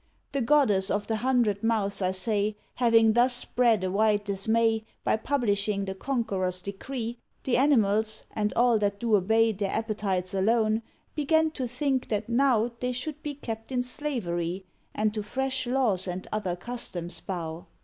The goddess of the hundred mouths, I say, Having thus spread a wide dismay, By publishing the conqueror's decree, The animals, and all that do obey Their appetites alone, began to think that now They should be kept in slavery, And to fresh laws and other customs bow.